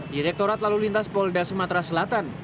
direktorat lalu lintas polda sumatera selatan